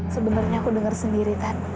sebenernya aku dengar sendiri tan